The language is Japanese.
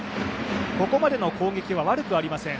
ここまでの攻撃は悪くありません。